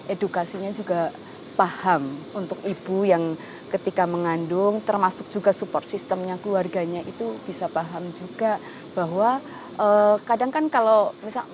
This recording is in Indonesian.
edukasinya juga paham untuk ibu yang ketika mengandung termasuk juga support systemnya keluarganya itu bisa paham juga bahwa kadang kan kalau misalnya